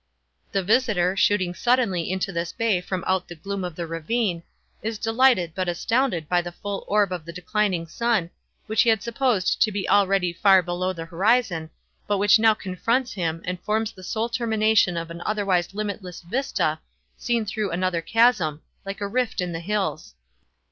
The visitor, shooting suddenly into this bay from out the gloom of the ravine, is delighted but astounded by the full orb of the declining sun, which he had supposed to be already far below the horizon, but which now confronts him, and forms the sole termination of an otherwise limitless vista seen through another chasm like rift in the hills.